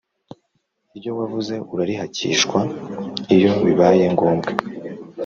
Iryo wavuze urarihacyishwa iyo bibaye ngombwa